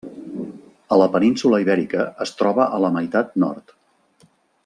A la península Ibèrica es troba a la meitat nord.